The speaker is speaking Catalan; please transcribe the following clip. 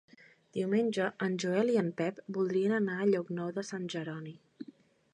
Diumenge en Joel i en Pep voldrien anar a Llocnou de Sant Jeroni.